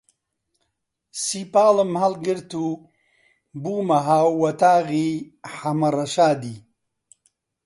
سیپاڵم هەڵگرت و بوومە هاووەتاغی حەمە ڕەشادی